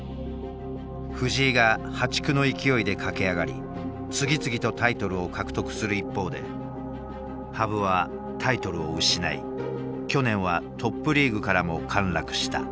藤井が破竹の勢いで駆け上がり次々とタイトルを獲得する一方で羽生はタイトルを失い去年はトップリーグからも陥落した。